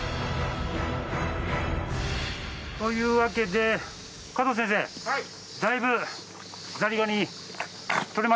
というわけで加藤先生だいぶザリガニ捕れましたね。